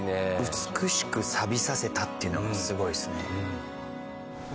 美しくさびさせたっていうのがすごいですね。